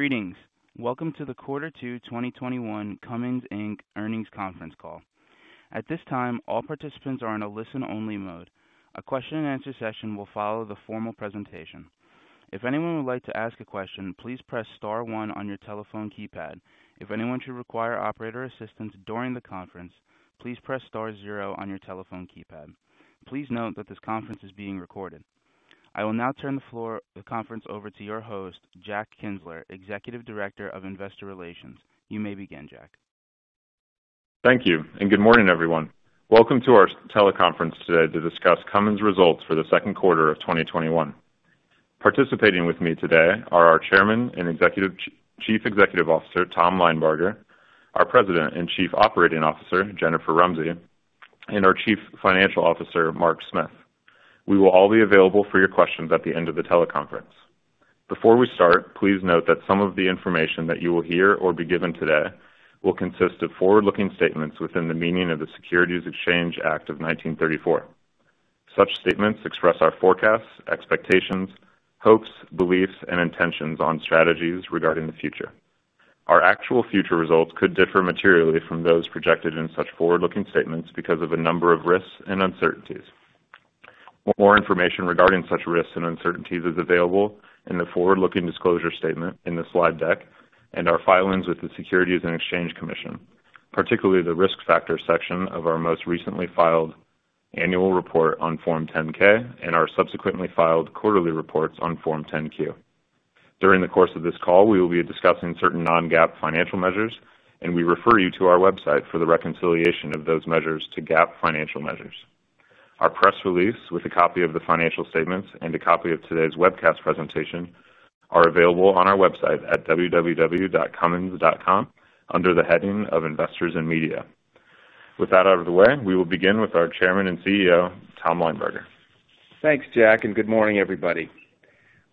Greetings. Welcome to the Quarter Two 2021 Cummins Inc. Earnings Conference Call. At this time, all participants are in a listen-only mode. A question and answer session will follow the formal presentation. If anyone would like to ask a question, please press star one on your telephone keypad. If anyone should require operator assistance during this conference, please press star zero on your telephone keypad. Please note that this conference is being recorded. I will now turn the conference over to your host, Jack Kienzler, Executive Director of Investor Relations. You may begin, Jack. Thank you. Good morning, everyone. Welcome to our teleconference today to discuss Cummins results for the second quarter of 2021. Participating with me today are our Chairman and Chief Executive Officer, Tom Linebarger, our President and Chief Operating Officer, Jennifer Rumsey, and our Chief Financial Officer, Mark Smith. We will all be available for your questions at the end of the teleconference. Before we start, please note that some of the information that you will hear or be given today will consist of forward-looking statements within the meaning of the Securities Exchange Act of 1934. Such statements express our forecasts, expectations, hopes, beliefs, and intentions on strategies regarding the future. Our actual future results could differ materially from those projected in such forward-looking statements because of a number of risks and uncertainties. More information regarding such risks and uncertainties is available in the forward-looking disclosure statement in the slide deck and our filings with the Securities and Exchange Commission, particularly the Risk Factors section of our most recently filed annual report on Form 10-K and our subsequently filed quarterly reports on Form 10-Q. During the course of this call, we will be discussing certain non-GAAP financial measures, we refer you to our website for the reconciliation of those measures to GAAP financial measures. Our press release with a copy of the financial statements and a copy of today's webcast presentation are available on our website at www.cummins.com under the heading of Investors and Media. With that out of the way, we will begin with our Chairman and CEO, Tom Linebarger. Thanks, Jack. Good morning, everybody.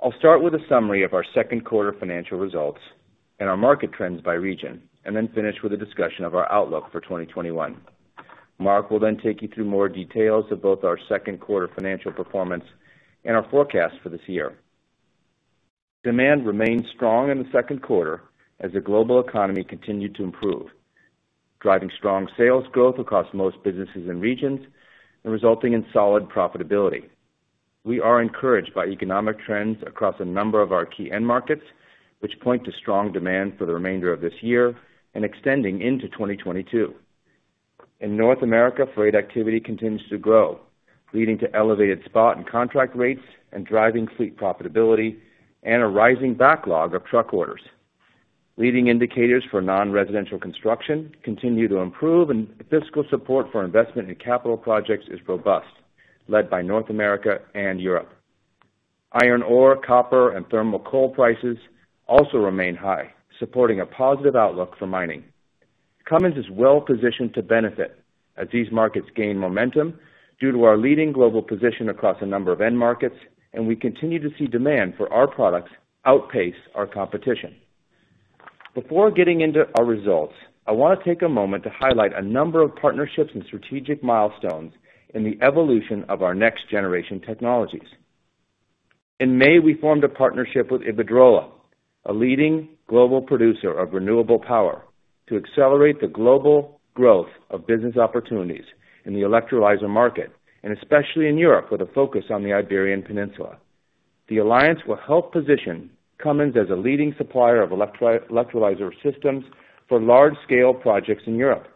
I'll start with a summary of our second quarter financial results and our market trends by region. Then finish with a discussion of our outlook for 2021. Mark will then take you through more details of both our second quarter financial performance and our forecast for this year. Demand remained strong in the second quarter as the global economy continued to improve, driving strong sales growth across most businesses and regions and resulting in solid profitability. We are encouraged by economic trends across a number of our key end markets, which point to strong demand for the remainder of this year and extending into 2022. In North America, freight activity continues to grow, leading to elevated spot and contract rates and driving fleet profitability and a rising backlog of truck orders. Leading indicators for non-residential construction continue to improve and fiscal support for investment in capital projects is robust, led by North America and Europe. Iron ore, copper, and thermal coal prices also remain high, supporting a positive outlook for mining. Cummins is well-positioned to benefit as these markets gain momentum due to our leading global position across a number of end markets, and we continue to see demand for our products outpace our competition. Before getting into our results, I want to take a moment to highlight a number of partnerships and strategic milestones in the evolution of our next-generation technologies. In May, we formed a partnership with Iberdrola, a leading global producer of renewable power, to accelerate the global growth of business opportunities in the electrolyzer market, and especially in Europe with a focus on the Iberian Peninsula. The alliance will help position Cummins as a leading supplier of electrolyzer systems for large-scale projects in Europe.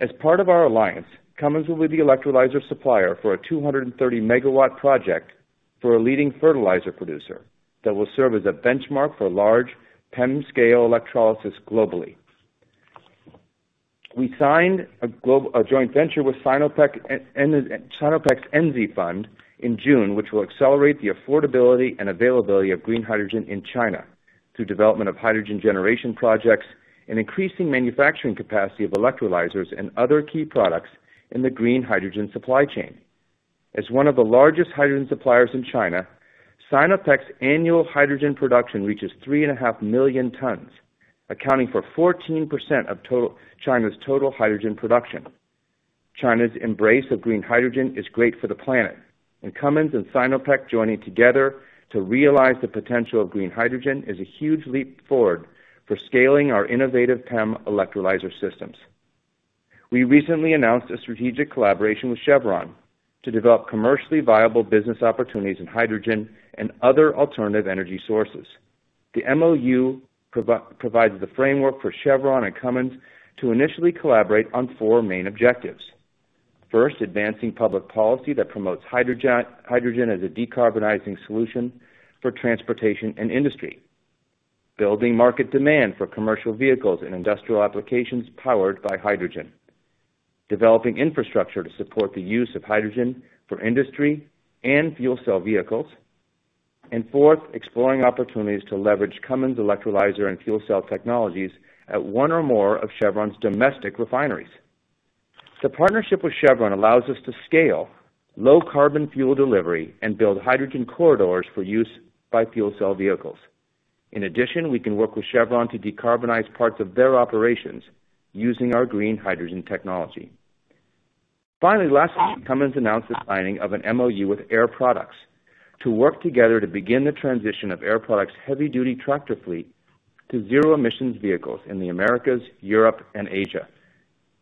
As part of our alliance, Cummins will be the electrolyzer supplier for a 230 MW project for a leading fertilizer producer that will serve as a benchmark for large PEM scale electrolysis globally. We signed a joint venture with Sinopec's Enze Fund in June, which will accelerate the affordability and availability of green hydrogen in China through development of hydrogen generation projects and increasing manufacturing capacity of electrolyzers and other key products in the green hydrogen supply chain. As one of the largest hydrogen suppliers in China, Sinopec's annual hydrogen production reaches 3.5 million tons, accounting for 14% of China's total hydrogen production. China's embrace of green hydrogen is great for the planet. Cummins and Sinopec joining together to realize the potential of green hydrogen is a huge leap forward for scaling our innovative PEM electrolyzer systems. We recently announced a strategic collaboration with Chevron to develop commercially viable business opportunities in hydrogen and other alternative energy sources. The MOU provides the framework for Chevron and Cummins to initially collaborate on four main objectives. First, advancing public policy that promotes hydrogen as a decarbonizing solution for transportation and industry. Building market demand for commercial vehicles and industrial applications powered by hydrogen. Developing infrastructure to support the use of hydrogen for industry and fuel cell vehicles. Fourth, exploring opportunities to leverage Cummins electrolyzer and fuel cell technologies at one or more of Chevron's domestic refineries. The partnership with Chevron allows us to scale low-carbon fuel delivery and build hydrogen corridors for use by fuel cell vehicles. In addition, we can work with Chevron to decarbonize parts of their operations using our green hydrogen technology. Finally, last week, Cummins announced the signing of an MOU with Air Products to work together to begin the transition of Air Products' heavy-duty tractor fleet to zero-emissions vehicles in the Americas, Europe, and Asia.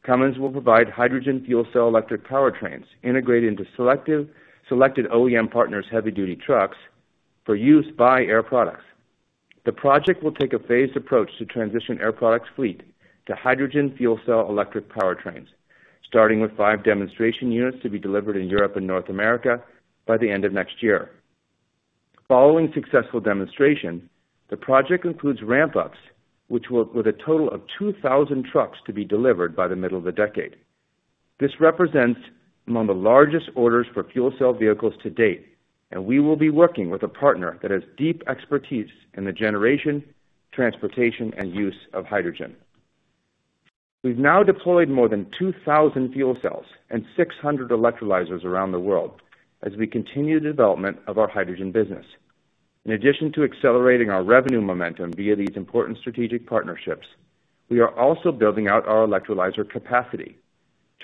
Cummins will provide hydrogen fuel cell electric powertrains integrated into selected OEM partners' heavy-duty trucks for use by Air Products. The project will take a phased approach to transition Air Products' fleet to hydrogen fuel cell electric powertrains, starting with five demonstration units to be delivered in Europe and North America by the end of next year. Following successful demonstration, the project includes ramp-ups, with a total of 2,000 trucks to be delivered by the middle of the decade. This represents among the largest orders for fuel cell vehicles to date, and we will be working with a partner that has deep expertise in the generation, transportation, and use of hydrogen. We've now deployed more than 2,000 fuel cells and 600 electrolyzers around the world as we continue the development of our hydrogen business. In addition to accelerating our revenue momentum via these important strategic partnerships, we are also building out our electrolyzer capacity,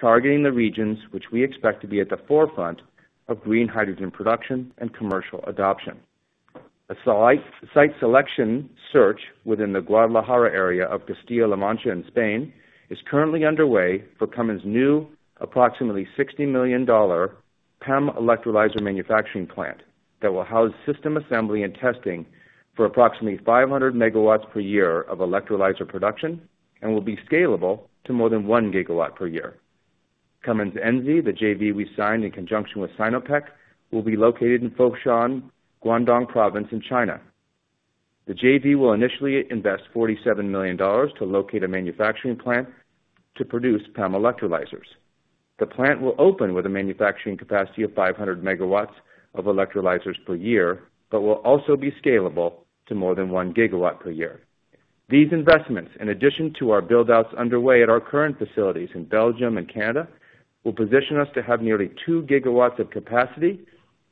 targeting the regions which we expect to be at the forefront of green hydrogen production and commercial adoption. A site selection search within the Guadalajara area of Castilla-La Mancha in Spain is currently underway for Cummins' new, approximately $60 million PEM electrolyzer manufacturing plant that will house system assembly and testing for approximately 500 MW per year of electrolyzer production and will be scalable to more than 1 GW per year. Cummins Enze, the JV we signed in conjunction with Sinopec, will be located in Foshan, Guangdong Province in China. The JV will initially invest $47 million to locate a manufacturing plant to produce PEM electrolyzers. The plant will open with a manufacturing capacity of 500 MW of electrolyzers per year but will also be scalable to more than 1 GW per year. These investments, in addition to our build-outs underway at our current facilities in Belgium and Canada, will position us to have nearly 2 GW of capacity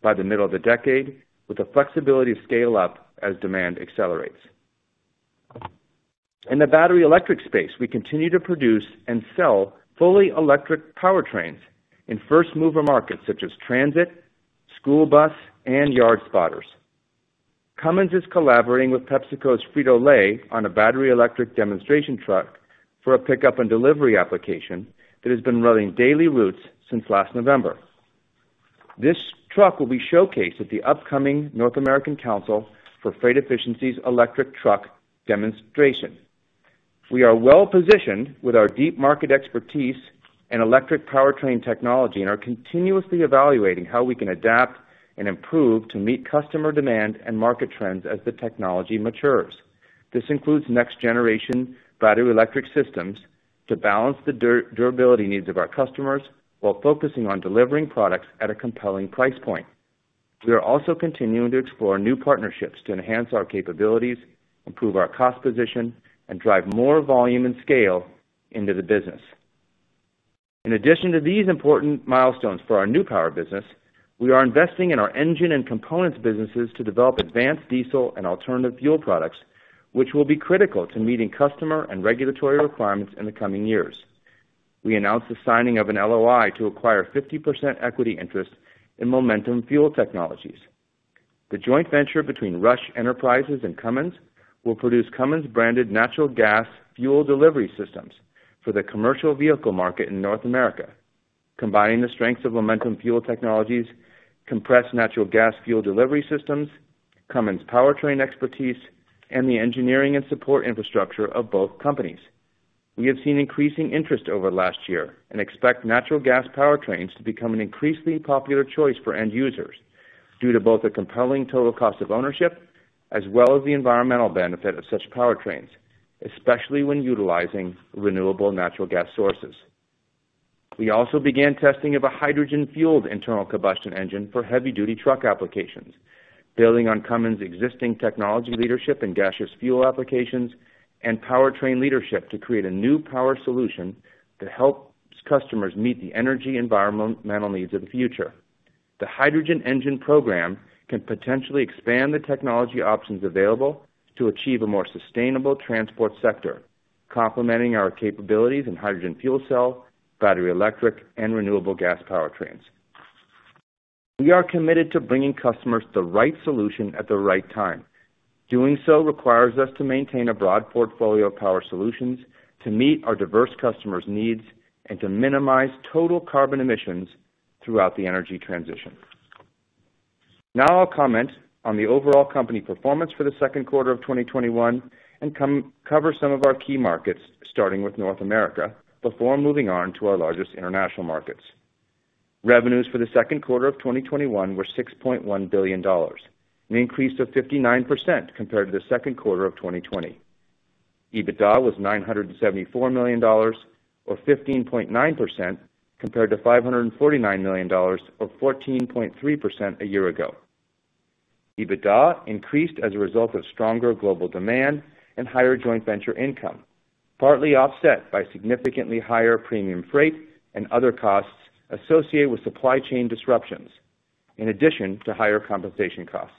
by the middle of the decade, with the flexibility to scale up as demand accelerates. In the battery electric space, we continue to produce and sell fully electric powertrains in first-mover markets such as transit, school bus, and yard spotters. Cummins is collaborating with PepsiCo's Frito-Lay on a battery electric demonstration truck for a pickup and delivery application that has been running daily routes since last November. This truck will be showcased at the upcoming North American Council for Freight Efficiency's electric truck demonstration. We are well-positioned with our deep market expertise and electric powertrain technology and are continuously evaluating how we can adapt and improve to meet customer demand and market trends as the technology matures. This includes next-generation battery electric systems to balance the durability needs of our customers while focusing on delivering products at a compelling price point. We are also continuing to explore new partnerships to enhance our capabilities, improve our cost position, and drive more volume and scale into the business. In addition to these important milestones for our new power business, we are investing in our engine and components businesses to develop advanced diesel and alternative fuel products, which will be critical to meeting customer and regulatory requirements in the coming years. We announced the signing of an LOI to acquire 50% equity interest in Momentum Fuel Technologies. The joint venture between Rush Enterprises and Cummins will produce Cummins-branded natural gas fuel delivery systems for the commercial vehicle market in North America, combining the strengths of Momentum Fuel Technologies, compressed natural gas fuel delivery systems, Cummins powertrain expertise, and the engineering and support infrastructure of both companies. We have seen increasing interest over the last year and expect natural gas powertrains to become an increasingly popular choice for end users due to both the compelling total cost of ownership as well as the environmental benefit of such powertrains, especially when utilizing renewable natural gas sources. We also began testing of a hydrogen-fueled internal combustion engine for heavy-duty truck applications, building on Cummins' existing technology leadership in gaseous fuel applications and powertrain leadership to create a new power solution that helps customers meet the energy and environmental needs of the future. The hydrogen engine program can potentially expand the technology options available to achieve a more sustainable transport sector, complementing our capabilities in hydrogen fuel cell, battery electric, and renewable gas powertrains. We are committed to bringing customers the right solution at the right time. Doing so requires us to maintain a broad portfolio of power solutions to meet our diverse customers' needs and to minimize total carbon emissions throughout the energy transition. Now I'll comment on the overall company performance for the second quarter of 2021 and cover some of our key markets, starting with North America, before moving on to our largest international markets. Revenues for the second quarter of 2021 were $6.1 billion, an increase of 59% compared to the second quarter of 2020. EBITDA was $974 million, or 15.9%, compared to $549 million, or 14.3%, a year ago. EBITDA increased as a result of stronger global demand and higher joint venture income, partly offset by significantly higher premium freight and other costs associated with supply chain disruptions, in addition to higher compensation costs.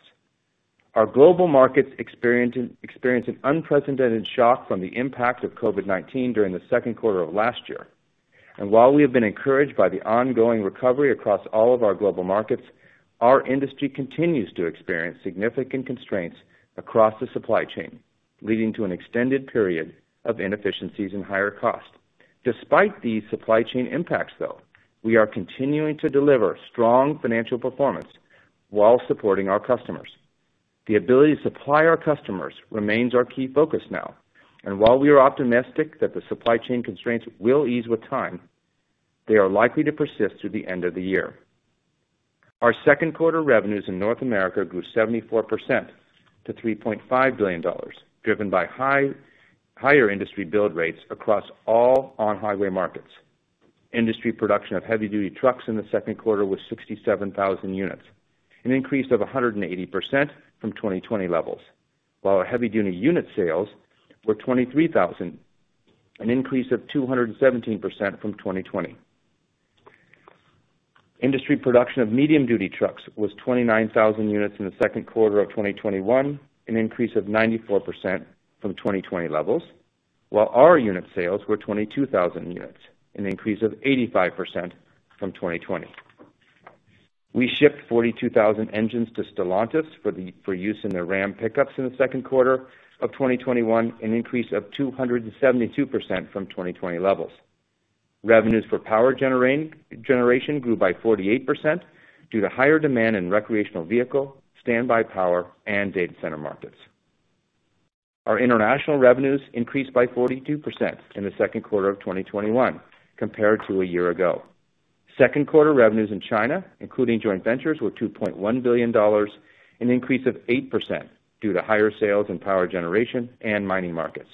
Our global markets experienced an unprecedented shock from the impact of COVID-19 during the second quarter of last year. While we have been encouraged by the ongoing recovery across all of our global markets, our industry continues to experience significant constraints across the supply chain, leading to an extended period of inefficiencies and higher cost. Despite these supply chain impacts, though, we are continuing to deliver strong financial performance while supporting our customers. The ability to supply our customers remains our key focus now, and while we are optimistic that the supply chain constraints will ease with time, they are likely to persist through the end of the year. Our second quarter revenues in North America grew 74% to $3.5 billion, driven by higher industry build rates across all on-highway markets. Industry production of heavy-duty trucks in the second quarter was 67,000 units, an increase of 180% from 2020 levels, while our heavy-duty unit sales were 23,000 units, an increase of 217% from 2020. Industry production of medium-duty trucks was 29,000 units in the second quarter of 2021, an increase of 94% from 2020 levels, while our unit sales were 22,000 units, an increase of 85% from 2020. We shipped 42,000 engines to Stellantis for use in their Ram pickups in the second quarter of 2021, an increase of 272% from 2020 levels. Revenues for power generation grew by 48% due to higher demand in recreational vehicle, standby power, and data center markets. Our international revenues increased by 42% in the second quarter of 2021 compared to a year ago. Second quarter revenues in China, including joint ventures, were $2.1 billion, an increase of 8% due to higher sales in power generation and mining markets.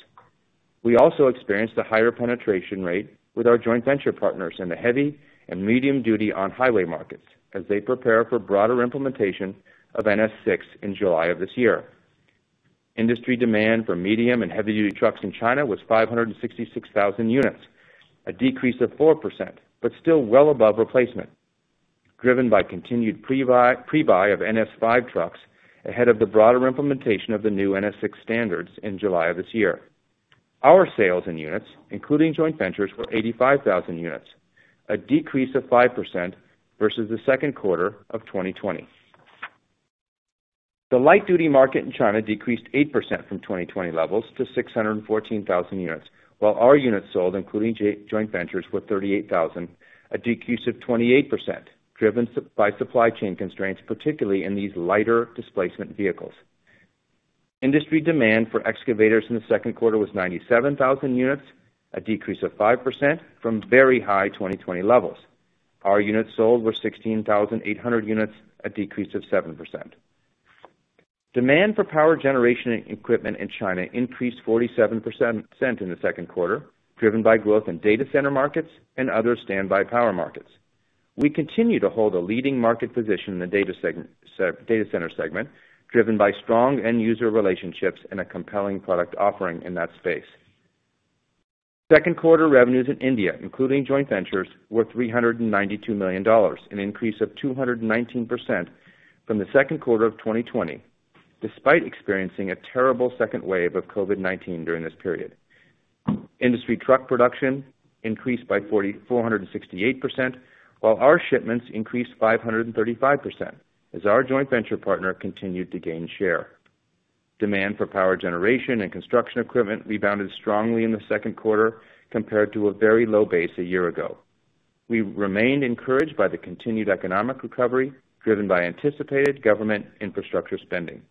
We also experienced a higher penetration rate with our joint venture partners in the heavy and medium duty on highway markets as they prepare for broader implementation of NS6 in July of this year. Industry demand for medium and heavy-duty trucks in China was 566,000 units, a decrease of 4%, still well above replacement, driven by continued pre-buy of NS5 trucks ahead of the broader implementation of the new NS6 standards in July of this year. Our sales in units, including joint ventures, were 85,000 units, a decrease of 5% versus the second quarter of 2020. The light-duty market in China decreased 8% from 2020 levels to 614,000 units, while our units sold, including joint ventures, were 38,000 units, a decrease of 28%, driven by supply chain constraints, particularly in these lighter displacement vehicles. Industry demand for excavators in the second quarter was 97,000 units, a decrease of 5% from very high 2020 levels. Our units sold were 16,800 units, a decrease of 7%. Demand for power generation equipment in China increased 47% in the second quarter, driven by growth in data center markets and other standby power markets. We continue to hold a leading market position in the data center segment, driven by strong end user relationships and a compelling product offering in that space. Second quarter revenues in India, including joint ventures, were $392 million, an increase of 219% from the second quarter of 2020, despite experiencing a terrible second wave of COVID-19 during this period. Industry truck production increased by 468%, while our shipments increased 535% as our joint venture partner continued to gain share. Demand for power generation and construction equipment rebounded strongly in the second quarter compared to a very low base a year ago. We remained encouraged by the continued economic recovery driven by anticipated government infrastructure spending.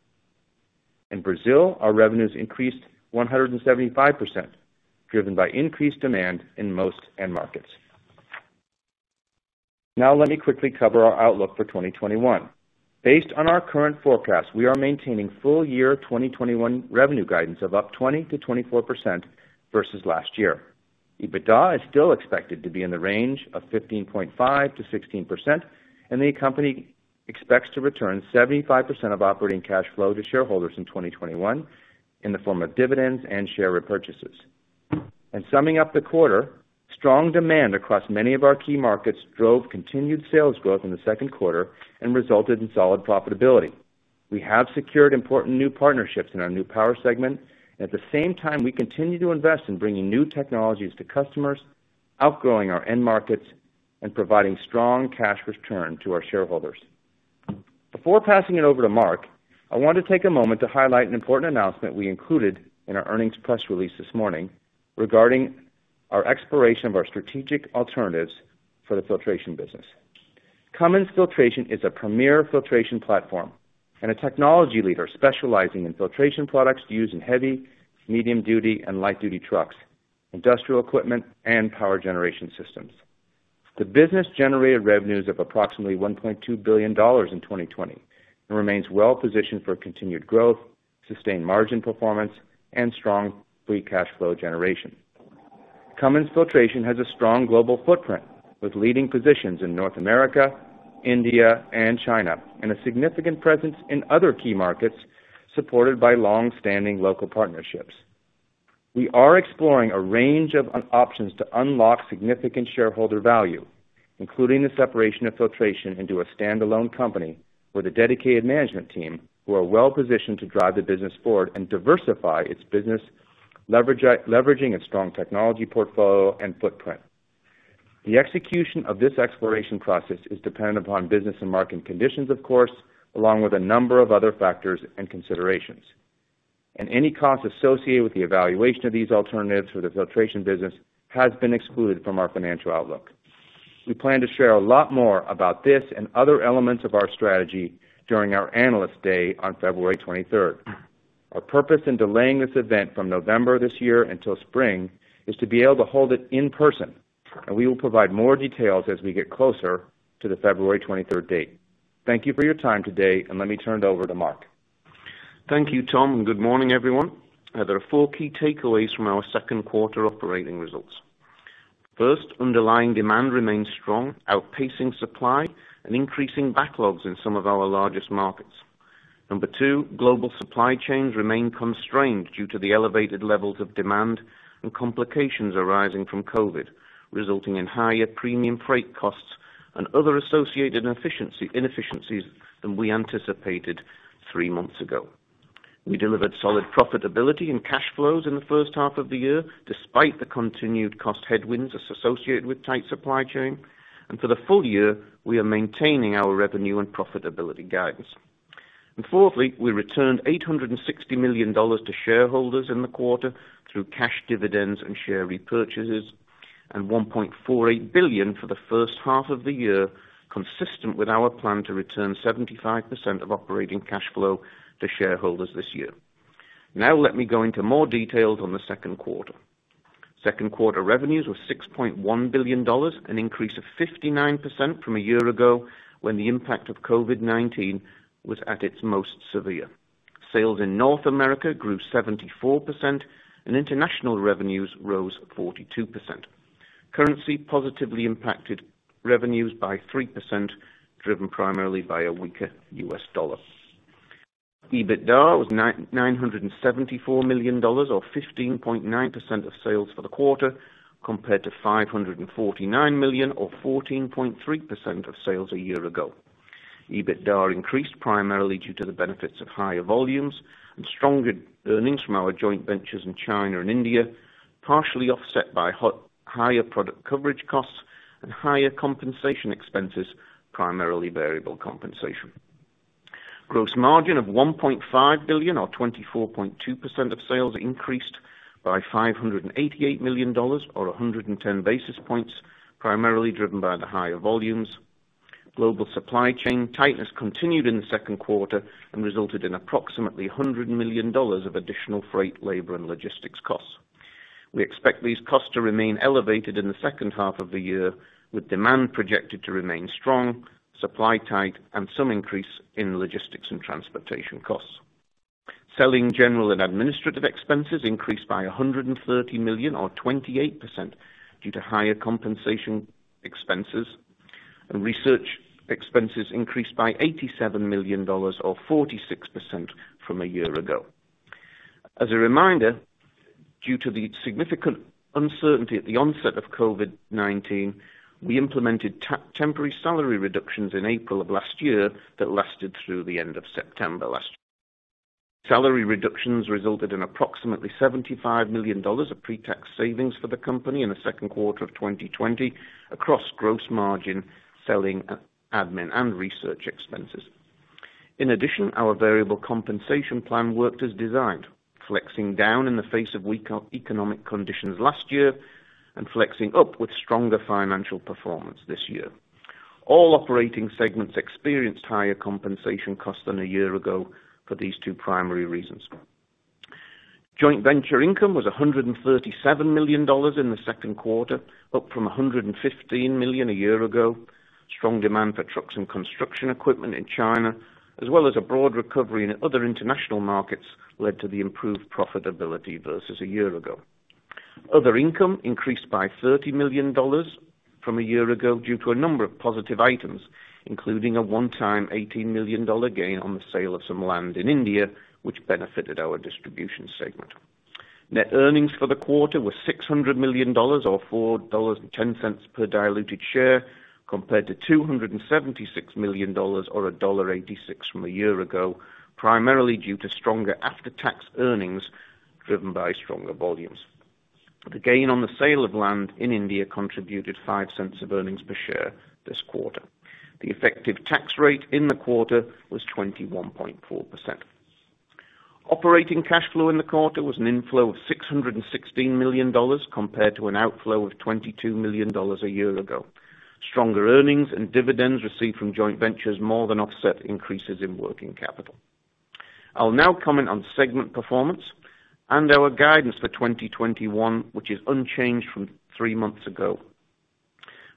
In Brazil, our revenues increased 175%, driven by increased demand in most end markets. Now let me quickly cover our outlook for 2021. Based on our current forecast, we are maintaining full year 2021 revenue guidance of up 20%-24% versus last year. EBITDA is still expected to be in the range of 15.5%-16%, and the company expects to return 75% of operating cash flow to shareholders in 2021 in the form of dividends and share repurchases. Summing up the quarter, strong demand across many of our key markets drove continued sales growth in the second quarter and resulted in solid profitability. We have secured important new partnerships in our New Power segment. At the same time, we continue to invest in bringing new technologies to customers, outgrowing our end markets, and providing strong cash return to our shareholders. Before passing it over to Mark, I want to take a moment to highlight an important announcement we included in our earnings press release this morning regarding our exploration of our strategic alternatives for the Filtration business. Cummins Filtration is a premier filtration platform and a technology leader specializing in filtration products used in heavy-, medium-duty, and light-duty trucks, industrial equipment, and power generation systems. The business generated revenues of approximately $1.2 billion in 2020 and remains well positioned for continued growth, sustained margin performance, and strong free cash flow generation. Cummins Filtration has a strong global footprint with leading positions in North America, India, and China, and a significant presence in other key markets supported by long-standing local partnerships. We are exploring a range of options to unlock significant shareholder value, including the separation of filtration into a standalone company with a dedicated management team who are well-positioned to drive the business forward and diversify its business, leveraging its strong technology portfolio and footprint. The execution of this exploration process is dependent upon business and market conditions, of course, along with a number of other factors and considerations. Any costs associated with the evaluation of these alternatives for the filtration business has been excluded from our financial outlook. We plan to share a lot more about this and other elements of our strategy during our Analyst Day on February 23rd. Our purpose in delaying this event from November of this year until spring is to be able to hold it in person, and we will provide more details as we get closer to the February 23rd date. Thank you for your time today, and let me turn it over to Mark. Thank you, Tom, good morning, everyone. There are four key takeaways from our second quarter operating results. First, underlying demand remains strong, outpacing supply and increasing backlogs in some of our largest markets. Number two, global supply chains remain constrained due to the elevated levels of demand and complications arising from COVID, resulting in higher premium freight costs and other associated inefficiencies than we anticipated three months ago. We delivered solid profitability and cash flows in the first half of the year, despite the continued cost headwinds associated with tight supply chain. For the full year, we are maintaining our revenue and profitability guidance. Fourthly, we returned $860 million to shareholders in the quarter through cash dividends and share repurchases, and $1.48 billion for the first half of the year, consistent with our plan to return 75% of operating cash flow to shareholders this year. Now let me go into more details on the second quarter. Second quarter revenues were $6.1 billion, an increase of 59% from a year ago, when the impact of COVID-19 was at its most severe. Sales in North America grew 74%, and international revenues rose 42%. Currency positively impacted revenues by 3%, driven primarily by a weaker U.S. dollar. EBITDA was $974 million or 15.9% of sales for the quarter, compared to $549 million or 14.3% of sales a year ago. EBITDA increased primarily due to the benefits of higher volumes and stronger earnings from our joint ventures in China and India, partially offset by higher product coverage costs and higher compensation expenses, primarily variable compensation. Gross margin of $1.5 billion or 24.2% of sales increased by $588 million or 110 basis points, primarily driven by the higher volumes. Global supply chain tightness continued in the second quarter and resulted in approximately $100 million of additional freight, labor, and logistics costs. We expect these costs to remain elevated in the second half of the year, with demand projected to remain strong, supply tight, and some increase in logistics and transportation costs. Selling, general, and administrative expenses increased by $130 million or 28% due to higher compensation expenses. Research expenses increased by $87 million or 46% from a year ago. As a reminder, due to the significant uncertainty at the onset of COVID-19, we implemented temporary salary reductions in April of last year that lasted through the end of September last. Salary reductions resulted in approximately $75 million of pre-tax savings for the company in the second quarter of 2020 across gross margin, selling, admin, and research expenses. In addition, our variable compensation plan worked as designed, flexing down in the face of weak economic conditions last year and flexing up with stronger financial performance this year. All operating segments experienced higher compensation costs than a year ago for these two primary reasons. Joint venture income was $137 million in the second quarter, up from $115 million a year ago. Strong demand for trucks and construction equipment in China, as well as a broad recovery in other international markets, led to the improved profitability versus a year ago. Other income increased by $30 million from a year ago due to a number of positive items, including a one-time $18 million gain on the sale of some land in India, which benefited our distribution segment. Net earnings for the quarter were $600 million, or $4.10 per diluted share, compared to $276 million, or $1.86 from a year ago, primarily due to stronger after-tax earnings driven by stronger volumes. The gain on the sale of land in India contributed $0.05 of earnings per share this quarter. The effective tax rate in the quarter was 21.4%. Operating cash flow in the quarter was an inflow of $616 million, compared to an outflow of $22 million a year ago. Stronger earnings and dividends received from joint ventures more than offset increases in working capital. I'll now comment on segment performance and our guidance for 2021, which is unchanged from three months ago.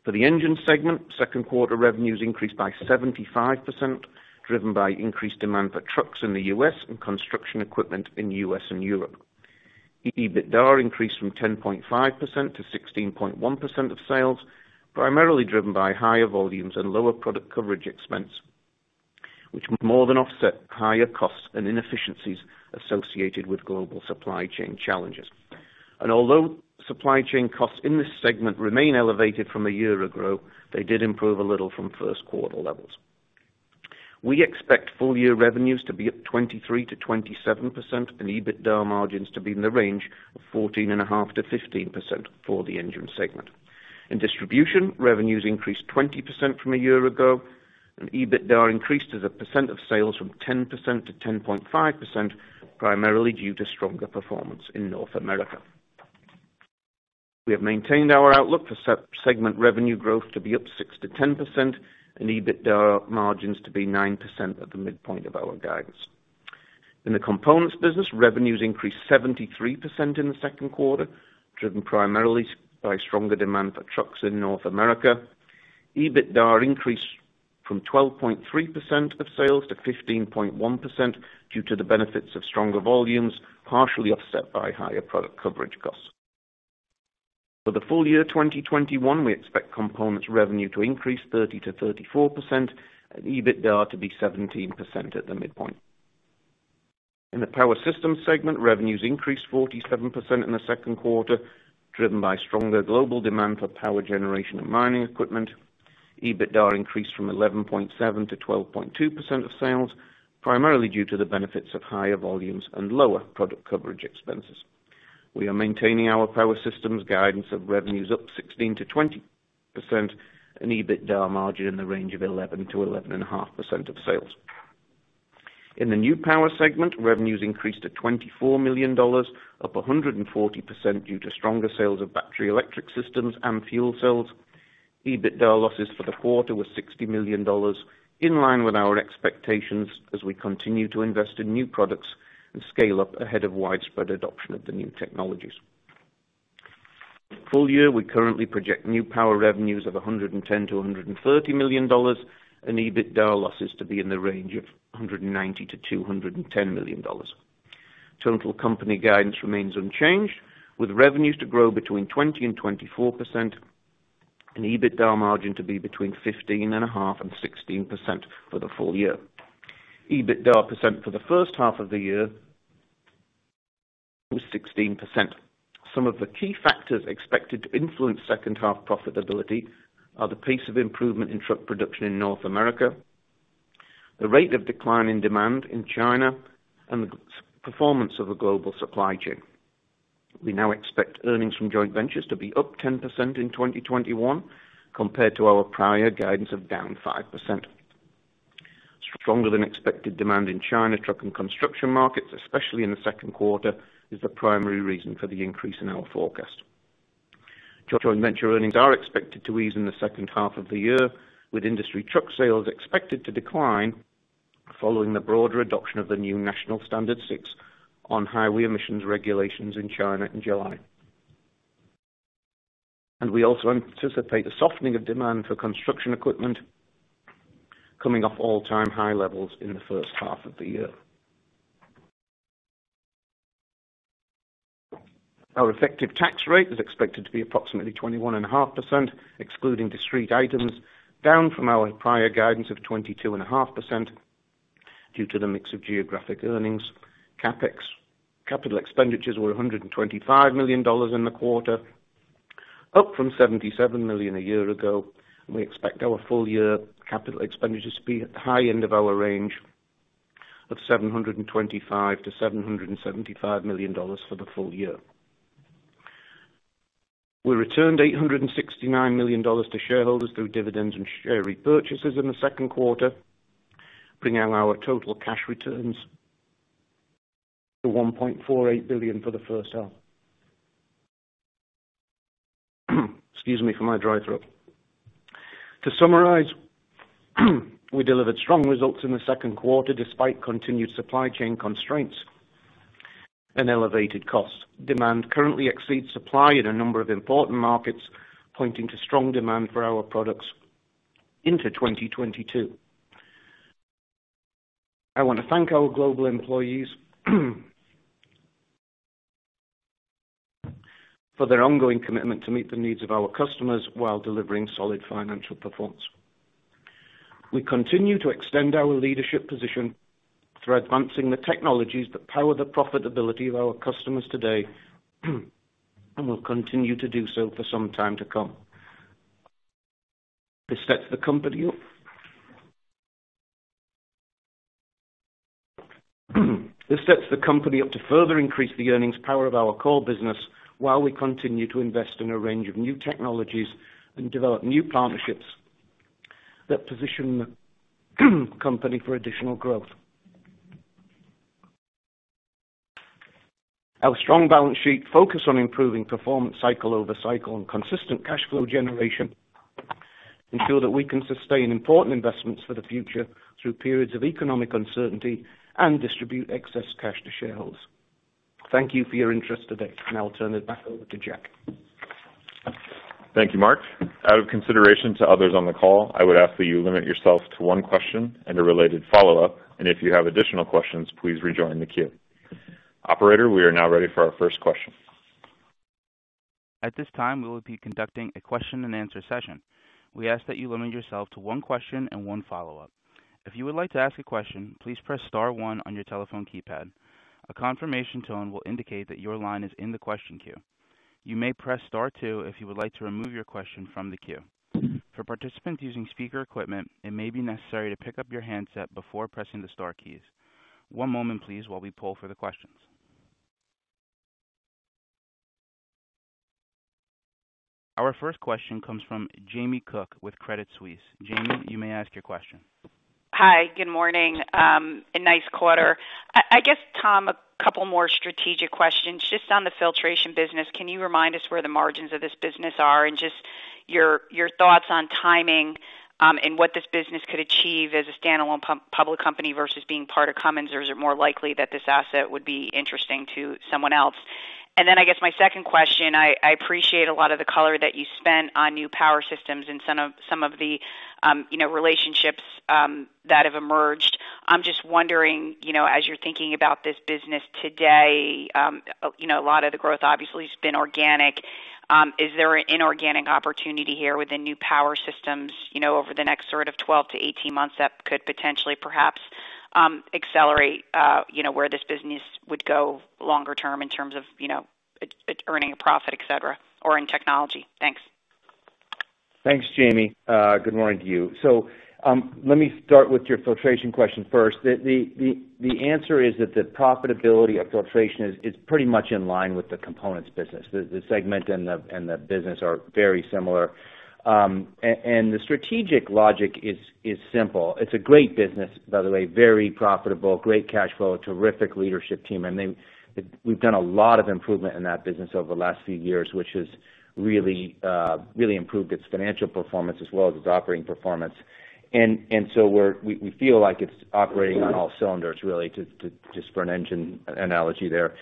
For the engine segment, second quarter revenues increased by 75%, driven by increased demand for trucks in the U.S. and construction equipment in U.S. and Europe. EBITDA increased from 10.5%-16.1% of sales, primarily driven by higher volumes and lower product coverage expense which more than offset higher costs and inefficiencies associated with global supply chain challenges. Although supply chain costs in this segment remain elevated from a year ago, they did improve a little from first quarter levels. We expect full year revenues to be up 23%-27%, and EBITDA margins to be in the range of 14.5%-15% for the Engine segment. In Distribution, revenues increased 20% from a year ago, and EBITDA increased as a percent of sales from 10%-10.5%, primarily due to stronger performance in North America. We have maintained our outlook for segment revenue growth to be up 6%-10%, and EBITDA margins to be 9% at the midpoint of our guidance. In the components business, revenues increased 73% in the second quarter, driven primarily by stronger demand for trucks in North America. EBITDA increased from 12.3% of sales to 15.1% due to the benefits of stronger volumes, partially offset by higher product coverage costs. For the full year 2021, we expect components revenue to increase 30%-34%, and EBITDA to be 17% at the midpoint. In the power systems segment, revenues increased 47% in the second quarter, driven by stronger global demand for power generation and mining equipment. EBITDA increased from 11.7% to 12.2% of sales, primarily due to the benefits of higher volumes and lower product coverage expenses. We are maintaining our power systems guidance of revenues up 16%-20%, and EBITDA margin in the range of 11%-11.5% of sales. In the New Power segment, revenues increased to $24 million, up 140% due to stronger sales of battery electric systems and fuel cells. EBITDA losses for the quarter were $60 million, in line with our expectations as we continue to invest in new products and scale up ahead of widespread adoption of the new technologies. For the full year, we currently project New Power revenues of $110 million-$130 million, and EBITDA losses to be in the range of $190 million-$210 million. Total company guidance remains unchanged, with revenues to grow between 20% -24%, and EBITDA margin to be between 15.5% and 16% for the full year. EBITDA percent for the first half of the year was 16%. Some of the key factors expected to influence second half profitability are the pace of improvement in truck production in North America, the rate of decline in demand in China, and the performance of the global supply chain. We now expect earnings from joint ventures to be up 10% in 2021, compared to our prior guidance of down 5%. Stronger than expected demand in China truck and construction markets, especially in the second quarter, is the primary reason for the increase in our forecast. Joint venture earnings are expected to ease in the second half of the year, with industry truck sales expected to decline following the broader adoption of the new National Standard VI on highway emissions regulations in China in July. We also anticipate the softening of demand for construction equipment coming off all-time high levels in the first half of the year. Our effective tax rate is expected to be approximately 21.5%, excluding discrete items, down from our prior guidance of 22.5% due to the mix of geographic earnings. CapEx, capital expenditures were $125 million in the quarter, up from $77 million a year ago, and we expect our full year capital expenditures to be at the high end of our range of $725 million-$775 million for the full year. We returned $869 million to shareholders through dividends and share repurchases in the second quarter, bringing our total cash returns to $1.48 billion for the first half. Excuse me for my dry throat. To summarize, we delivered strong results in the second quarter despite continued supply chain constraints and elevated costs. Demand currently exceeds supply in a number of important markets, pointing to strong demand for our products into 2022. I want to thank our global employees for their ongoing commitment to meet the needs of our customers while delivering solid financial performance. We continue to extend our leadership position through advancing the technologies that power the profitability of our customers today and will continue to do so for some time to come. This sets the company up to further increase the earnings power of our core business while we continue to invest in a range of new technologies and develop new partnerships that position the company for additional growth. Our strong balance sheet focus on improving performance cycle over cycle and consistent cash flow generation ensure that we can sustain important investments for the future through periods of economic uncertainty and distribute excess cash to shareholders. Thank you for your interest today. Now I'll turn it back over to Jack. Thank you, Mark. Out of consideration to others on the call, I would ask that you limit yourself to one question and a related follow-up, and if you have additional questions, please rejoin the queue. Operator, we are now ready for our first question. At this time, we will be conducting a question and answer session. We ask that you limit yourself to one question and one follow-up. If you would like to ask a question, please press star one on your telephone keypad. A confirmation tone will indicate that your line is in the question queue. You may press star two if you would like to remove your question from the queue. For participants using speaker equipment, it may be necessary to pick up your handset before pressing the star keys. One moment please while we poll for the questions. Our first question comes from Jamie Cook with Credit Suisse. Jamie, you may ask your question. Hi. Good morning. A nice quarter. I guess, Tom, a couple more strategic questions. Just on the Cummins Filtration business, can you remind us where the margins of this business are and just your thoughts on timing, and what this business could achieve as a standalone public company versus being part of Cummins? Is it more likely that this asset would be interesting to someone else? I guess my second question, I appreciate a lot of the color that you spent on New Power and some of the relationships that have emerged. I'm just wondering, as you're thinking about this business today, a lot of the growth obviously has been organic. Is there an inorganic opportunity here within New Power Systems, over the next sort of 12 to 18 months that could potentially perhaps accelerate where this business would go longer term in terms of earning a profit, et cetera, or in technology? Thanks. Thanks, Jamie. Good morning to you. Let me start with your Filtration question first. The answer is that the profitability of Filtration is pretty much in line with the components business. The segment and the business are very similar. The strategic logic is simple. It's a great business, by the way, very profitable, great cash flow, a terrific leadership team, and we've done a lot of improvement in that business over the last few years, which has really improved its financial performance as well as its operating performance. We feel like it's operating on all cylinders really, just for an engine analogy there.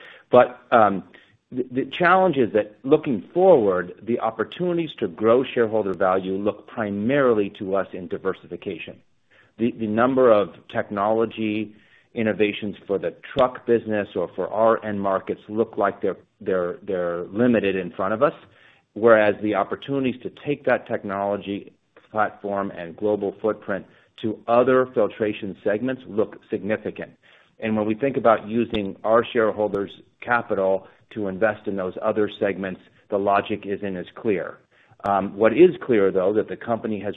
The challenge is that looking forward, the opportunities to grow shareholder value look primarily to us in diversification. The number of technology innovations for the truck business or for our end markets look like they're limited in front of us, whereas the opportunities to take that technology platform and global footprint to other filtration segments look significant. When we think about using our shareholders' capital to invest in those other segments, the logic isn't as clear. What is clear, though, that the company has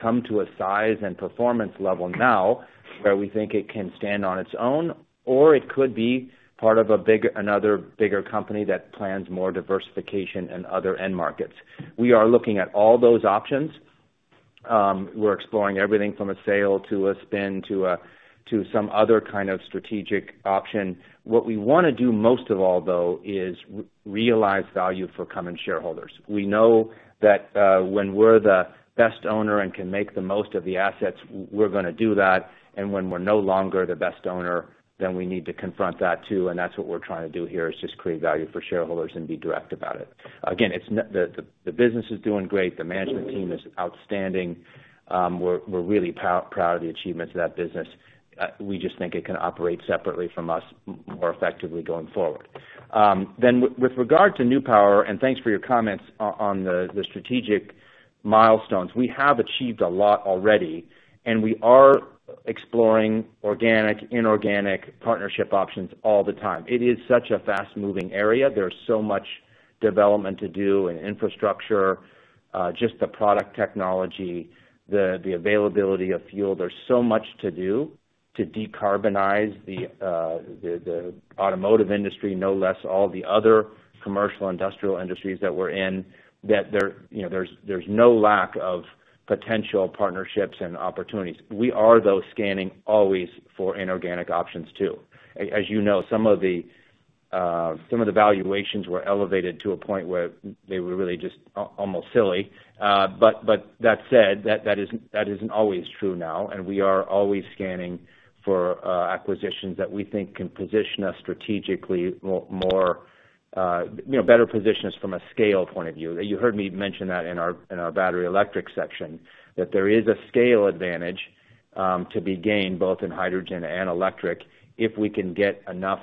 come to a size and performance level now where we think it can stand on its own, or it could be part of another bigger company that plans more diversification in other end markets. We are looking at all those options. We're exploring everything from a sale to a spin to some other kind of strategic option. What we want to do most of all, though, is realize value for Cummins shareholders. We know that when we're the best owner and can make the most of the assets, we're going to do that. When we're no longer the best owner, we need to confront that too. That's what we're trying to do here, is just create value for shareholders and be direct about it. Again, the business is doing great. The management team is outstanding. We're really proud of the achievements of that business. We just think it can operate separately from us more effectively going forward. With regard to New Power, thanks for your comments on the strategic milestones. We have achieved a lot already, we are exploring organic, inorganic partnership options all the time. It is such a fast-moving area. There's so much development to do in infrastructure, just the product technology, the availability of fuel. There's so much to do to decarbonize the automotive industry, no less all the other commercial industrial industries that we're in, that there's no lack of potential partnerships and opportunities. We are, though, scanning always for inorganic options too. As you know, some of the valuations were elevated to a point where they were really just almost silly. That said, that isn't always true now, and we are always scanning for acquisitions that we think can better position us from a scale point of view. You heard me mention that in our battery electric section, that there is a scale advantage to be gained both in hydrogen and electric. If we can get enough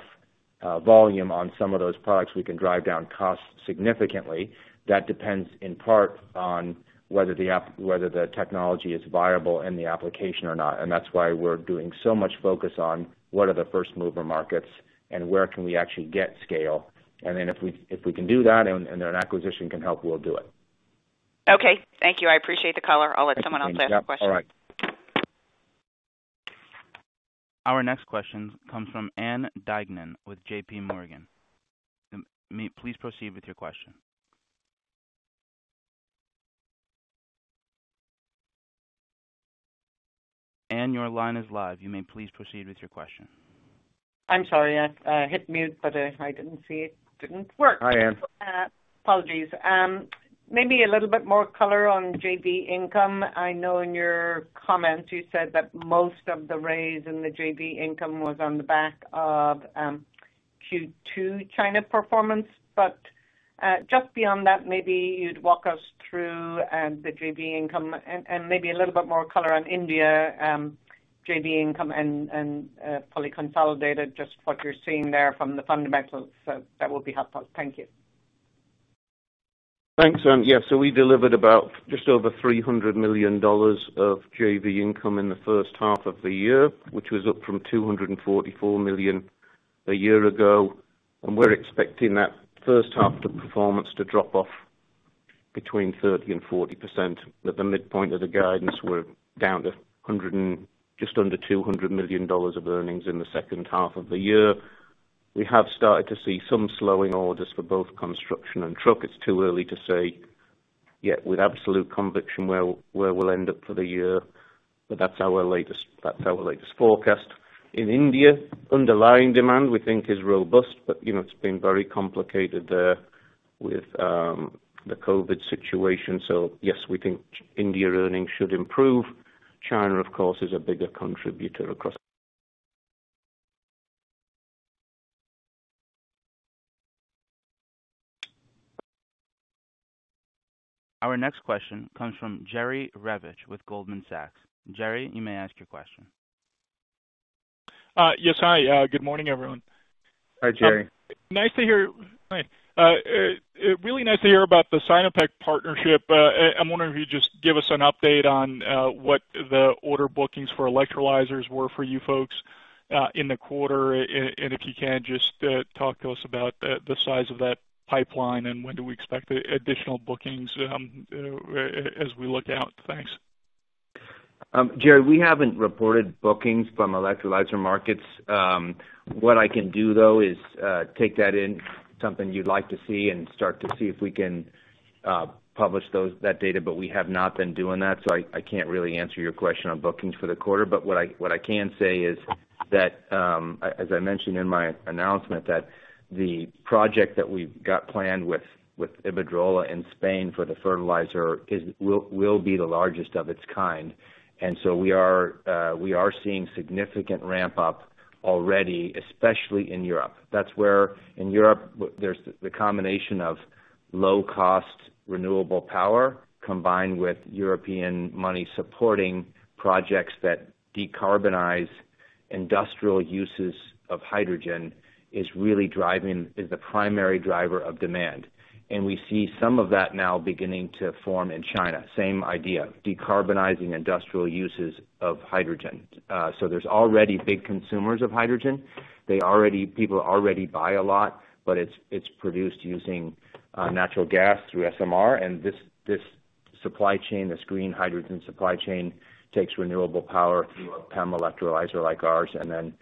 volume on some of those products, we can drive down costs significantly. That depends in part on whether the technology is viable in the application or not. That's why we're doing so much focus on what are the first-mover markets and where can we actually get scale. Then if we can do that and an acquisition can help, we'll do it. Okay. Thank you. I appreciate the color. I will let someone else ask a question. All right. Our next question comes from Ann Duignan with JPMorgan. Ann, please proceed with your question. Ann, your line is live. You may please proceed with your question. I'm sorry. I hit mute, but I didn't see it didn't work. Hi, Ann. Apologies. Maybe a little bit more color on JV income. I know in your comments you said that most of the raise in the JV income was on the back of Q2 China performance. Just beyond that, maybe you'd walk us through the JV income and maybe a little bit more color on India JV income and fully consolidated, just what you're seeing there from the fundamentals. That would be helpful. Thank you. Thanks. We delivered about just over $300 million of JV income in the first half of the year, which was up from $244 million a year ago. We're expecting that first half of performance to drop off between 30%-40%, with the midpoint of the guidance, we're down to just under $200 million of earnings in the second half of the year. We have started to see some slowing orders for both construction and truck. It's too early to say yet with absolute conviction where we'll end up for the year, but that's our latest forecast. In India, underlying demand, we think, is robust, but it's been very complicated there with the COVID situation. Yes, we think India earnings should improve. China, of course, is a bigger contributor across. Our next question comes from Jerry Revich with Goldman Sachs. Jerry, you may ask your question. Hi, good morning, everyone. Hi, Jerry. Hi. Really nice to hear about the Sinopec partnership. I'm wondering if you'd just give us an update on what the order bookings for electrolyzers were for you folks in the quarter. If you can, just talk to us about the size of that pipeline, and when do we expect the additional bookings as we look out. Thanks. Jerry, we haven't reported bookings from electrolyzer markets. What I can do, though, is take that in, something you'd like to see, and start to see if we can publish that data, but we have not been doing that. I can't really answer your question on bookings for the quarter. What I can say is that, as I mentioned in my announcement, that the project that we've got planned with Iberdrola in Spain for the fertilizer will be the largest of its kind. We are seeing significant ramp-up already, especially in Europe. That's where in Europe, there's the combination of low-cost renewable power combined with European money supporting projects that decarbonize industrial uses of hydrogen, is the primary driver of demand. We see some of that now beginning to form in China. Same idea, decarbonizing industrial uses of hydrogen. There's already big consumers of hydrogen. People already buy a lot, but it's produced using natural gas through SMR, and this supply chain, this green hydrogen supply chain, takes renewable power through a PEM electrolyzer like ours and then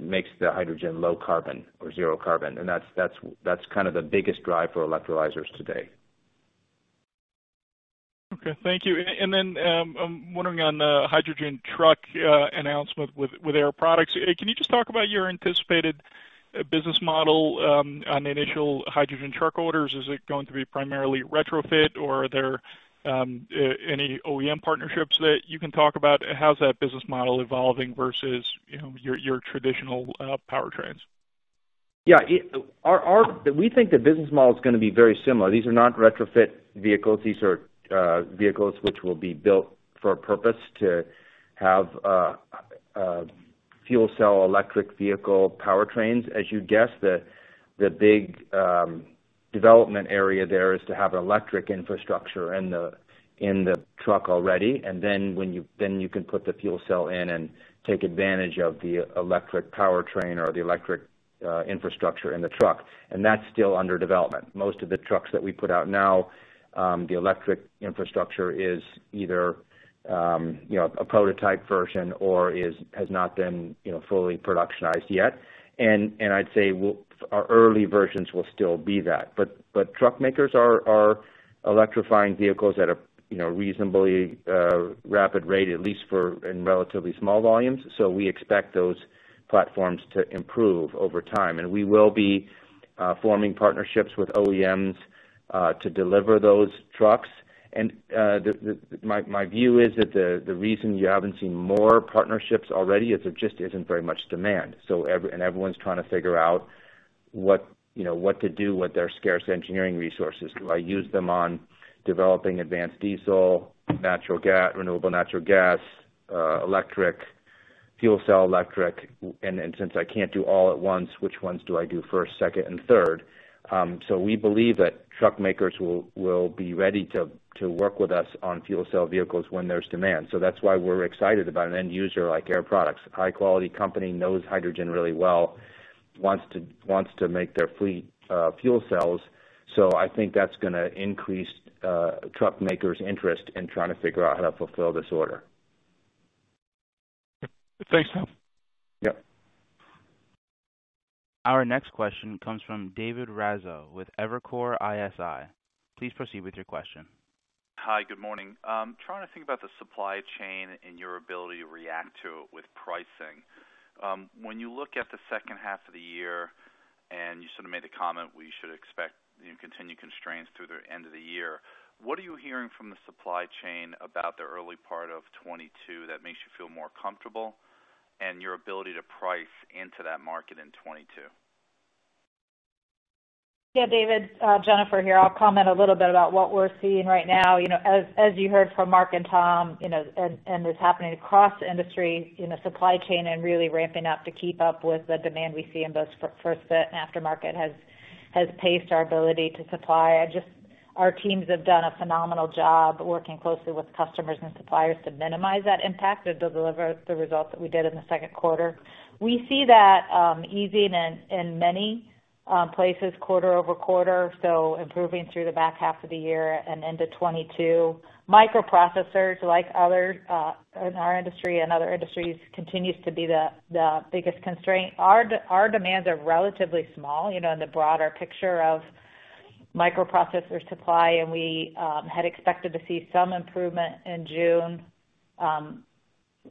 makes the hydrogen low carbon or zero carbon. That's the biggest drive for electrolyzers today. Okay, thank you. I'm wondering on the hydrogen truck announcement with Air Products. Can you just talk about your anticipated business model on initial hydrogen truck orders? Is it going to be primarily retrofit, or are there any OEM partnerships that you can talk about? How's that business model evolving versus your traditional powertrains? Yeah. We think the business model is going to be very similar. These are not retrofit vehicles. These are vehicles which will be built for a purpose to have fuel cell electric vehicle powertrains. As you'd guess, the big development area there is to have an electric infrastructure in the truck already, and then you can put the fuel cell in and take advantage of the electric powertrain or the electric infrastructure in the truck. That's still under development. Most of the trucks that we put out now, the electric infrastructure is either a prototype version or has not been fully productionized yet. I'd say our early versions will still be that. Truck makers are electrifying vehicles at a reasonably rapid rate, at least in relatively small volumes. We expect those platforms to improve over time. We will be forming partnerships with OEMs to deliver those trucks. My view is that the reason you haven't seen more partnerships already is there just isn't very much demand. Everyone's trying to figure out what to do with their scarce engineering resources. Do I use them on developing advanced diesel, renewable natural gas, electric, fuel cell electric? Since I can't do all at once, which ones do I do first, second, and third? We believe that truck makers will be ready to work with us on fuel cell vehicles when there's demand. That's why we're excited about an end user like Air Products. High quality company, knows hydrogen really well, wants to make their fleet fuel cells. I think that's going to increase truck makers' interest in trying to figure out how to fulfill this order. Thanks, Tom. Yep. Our next question comes from David Raso with Evercore ISI. Please proceed with your question. Hi, good morning. Trying to think about the supply chain and your ability to react to it with pricing. When you look at the second half of the year, and you sort of made the comment we should expect continued constraints through the end of the year, what are you hearing from the supply chain about the early part of 2022 that makes you feel more comfortable, and your ability to price into that market in 2022? Yeah, David, Jennifer here. I'll comment a little bit about what we're seeing right now. As you heard from Mark and Tom, and is happening across the industry, supply chain and really ramping up to keep up with the demand we see in both first fit and aftermarket has paced our ability to supply. Our teams have done a phenomenal job working closely with customers and suppliers to minimize that impact and to deliver the results that we did in the second quarter. We see that easing in many places quarter-over-quarter, so improving through the back half of the year and into 2022. Microprocessors, like others in our industry and other industries, continues to be the biggest constraint. Our demands are relatively small in the broader picture of microprocessor supply, and we had expected to see some improvement in June.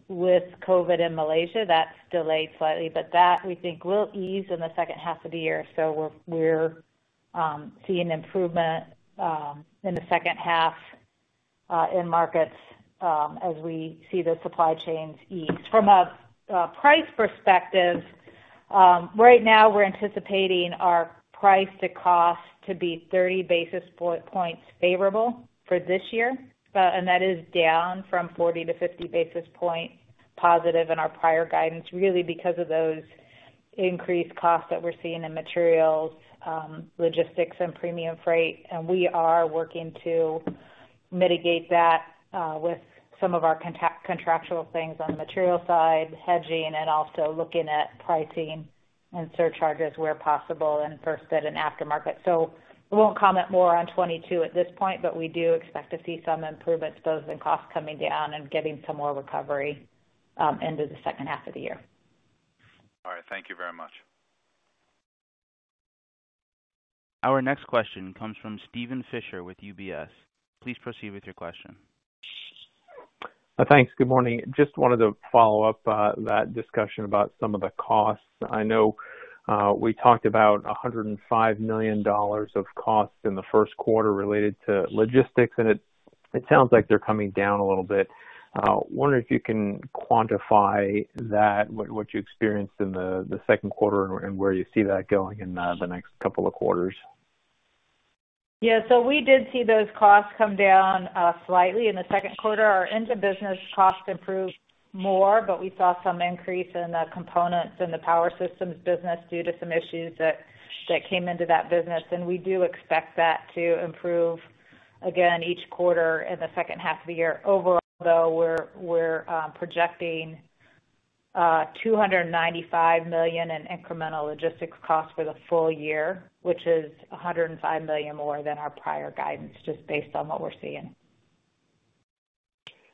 With COVID in Malaysia, that's delayed slightly, but that, we think, will ease in the second half of the year. We're seeing improvement in the second half in markets as we see the supply chains ease. From a price perspective, right now we're anticipating our price to cost to be 30 basis points favorable for this year. That is down from 40 basis points-50 basis points positive in our prior guidance, really because of those increased costs that we're seeing in materials, logistics, and premium freight. We are working to mitigate that with some of our contractual things on the material side, hedging, and also looking at pricing and surcharges where possible in first fit and aftermarket. We won't comment more on 2022 at this point, but we do expect to see some improvements, both in costs coming down and getting some more recovery into the second half of the year. All right. Thank you very much. Our next question comes from Steven Fisher with UBS. Please proceed with your question. Thanks. Good morning. Just wanted to follow up that discussion about some of the costs. I know we talked about $105 million of costs in the first quarter related to logistics, and it sounds like they're coming down a little bit. Wondering if you can quantify that, what you experienced in the second quarter and where you see that going in the next couple of quarters. Yeah. We did see those costs come down slightly in the second quarter. Our Engine Business cost improved more, but we saw some increase in the components in the Power Systems Business due to some issues that came into that business. We do expect that to improve again each quarter in the second half of the year. Overall, though, we're projecting $295 million in incremental logistics costs for the full year, which is $105 million more than our prior guidance, just based on what we're seeing.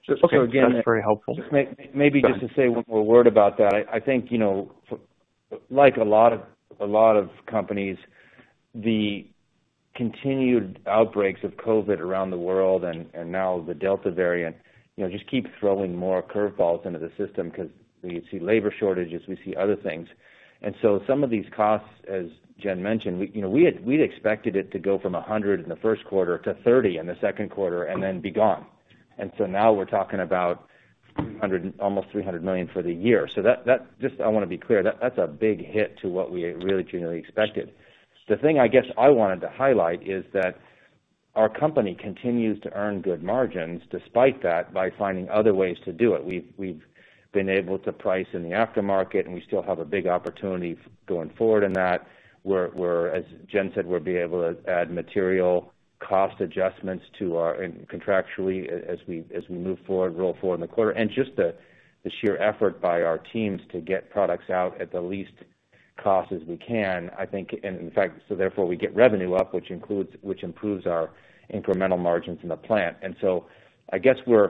Okay. That's very helpful. Just maybe just to say one more word about that. I think, like a lot of companies, the continued outbreaks of COVID around the world and now the Delta variant, just keep throwing more curve balls into the system because we see labor shortages, we see other things. Some of these costs, as Jen mentioned, we'd expected it to go from $100 in the first quarter to $30 in the second quarter and then be gone. Now we're talking about almost $300 million for the year. I want to be clear, that's a big hit to what we had really generally expected. The thing I guess I wanted to highlight is that our company continues to earn good margins despite that, by finding other ways to do it. We've been able to price in the aftermarket, and we still have a big opportunity going forward in that, where, as Jen said, we'll be able to add material cost adjustments contractually as we move forward, roll forward in the quarter. Just the sheer effort by our teams to get products out at the least cost as we can, I think, and in fact, so therefore we get revenue up, which improves our incremental margins in the plant. I guess we're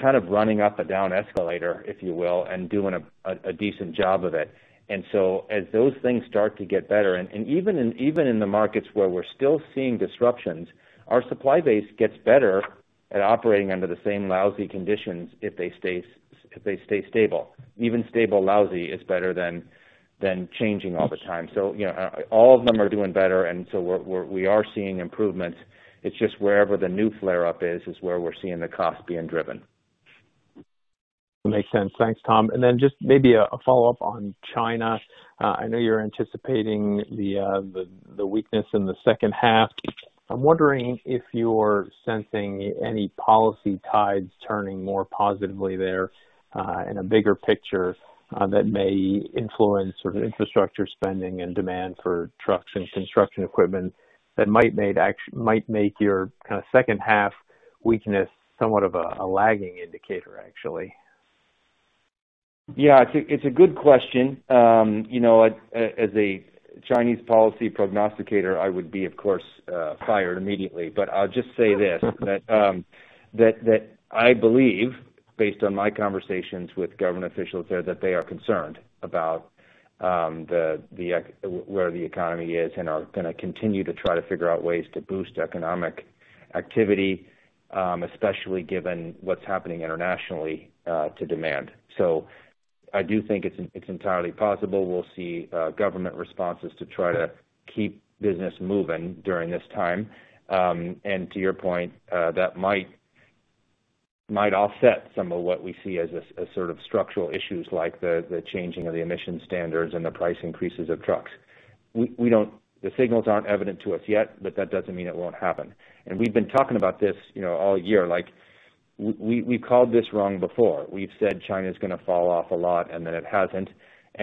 kind of running up a down escalator, if you will, and doing a decent job of it. As those things start to get better, and even in the markets where we're still seeing disruptions, our supply base gets better at operating under the same lousy conditions if they stay stable. Even stable lousy is better than changing all the time. All of them are doing better, we are seeing improvements. It's just wherever the new flare-up is where we're seeing the cost being driven. Makes sense. Thanks, Tom. Just maybe a follow-up on China. I know you're anticipating the weakness in the second half. I'm wondering if you're sensing any policy tides turning more positively there in a bigger picture that may influence infrastructure spending and demand for trucks and construction equipment that might make your second half weakness somewhat of a lagging indicator, actually. Yeah. It's a good question. As a Chinese policy prognosticator, I would be, of course, fired immediately. I'll just say this, that I believe, based on my conversations with government officials there, that they are concerned about where the economy is and are going to continue to try to figure out ways to boost economic activity, especially given what's happening internationally to demand. I do think it's entirely possible we'll see government responses to try to keep business moving during this time. To your point, that might offset some of what we see as sort of structural issues like the changing of the emission standards and the price increases of trucks. The signals aren't evident to us yet, but that doesn't mean it won't happen. We've been talking about this all year. We've called this wrong before. We've said China's going to fall off a lot, then it hasn't.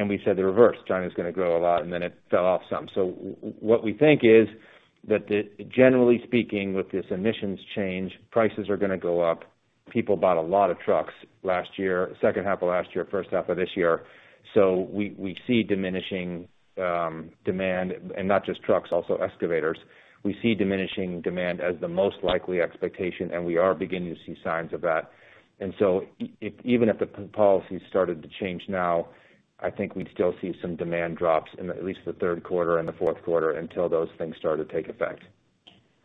We've said the reverse, China's going to grow a lot, then it fell off some. What we think is that, generally speaking, with this emissions change, prices are going to go up. People bought a lot of trucks last year, second half of last year, first half of this year. We see diminishing demand, and not just trucks, also excavators. We see diminishing demand as the most likely expectation, and we are beginning to see signs of that. Even if the policy started to change now, I think we'd still see some demand drops in at least the third quarter and the fourth quarter until those things start to take effect.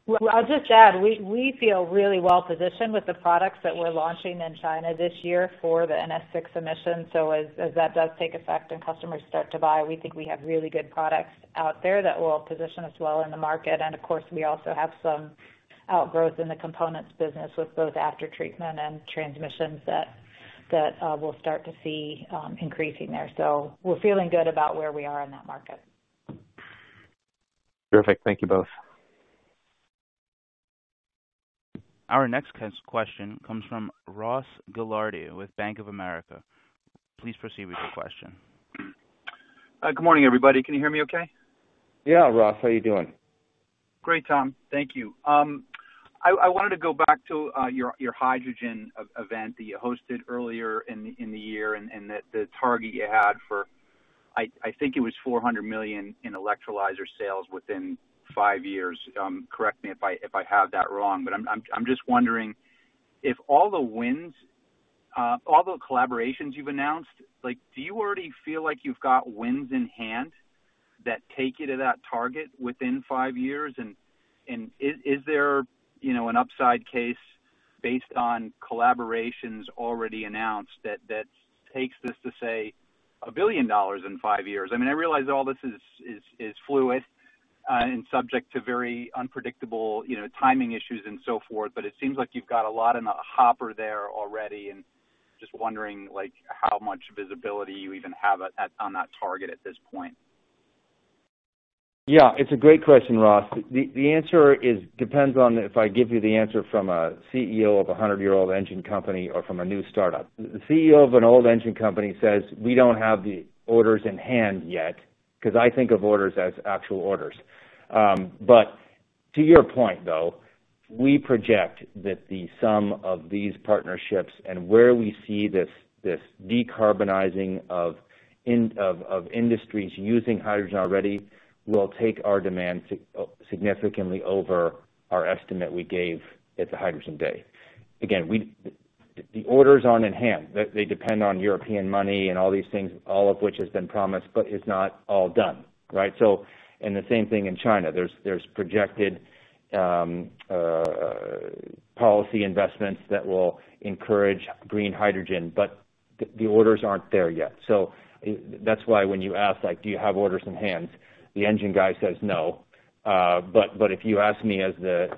Well, I'll just add, we feel really well-positioned with the products that we're launching in China this year for the NS VI emission. As that does take effect and customers start to buy, we think we have really good products out there that will position us well in the market. Of course, we also have some outgrowth in the components business with both after-treatment and transmissions that we'll start to see increasing there. We're feeling good about where we are in that market. Perfect. Thank you both. Our next question comes from Ross Gilardi with Bank of America. Please proceed with your question. Good morning, everybody. Can you hear me okay? Yeah, Ross. How you doing? Great, Tom. Thank you. I wanted to go back to your hydrogen event that you hosted earlier in the year and the target you had for, I think it was $400 million in electrolyzer sales within five years. Correct me if I have that wrong, but I'm just wondering if all the wins, all the collaborations you've announced, do you already feel like you've got wins in hand that take you to that target within five years? Is there an upside case based on collaborations already announced that takes this to, say, $1 billion in five years? I realize all this is fluid and subject to very unpredictable timing issues and so forth, but it seems like you've got a lot in the hopper there already and just wondering how much visibility you even have on that target at this point. Yeah, it's a great question, Ross. The answer depends on if I give you the answer from a CEO of a 100-year-old engine company or from a new startup. The CEO of an old engine company says we don't have the orders in hand yet, because I think of orders as actual orders. To your point, though, we project that the sum of these partnerships and where we see this decarbonizing of industries using hydrogen already will take our demand significantly over our estimate we gave at the Hydrogen Day. Again, the orders aren't in hand. They depend on European money and all these things, all of which has been promised, but is not all done. Right? The same thing in China. There's projected policy investments that will encourage green hydrogen, but the orders aren't there yet. That's why when you ask, "Do you have orders in hand?" The engine guy says no. If you ask me as the